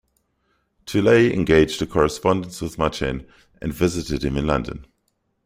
Toulet engaged a correspondence with Machen and visited him in London.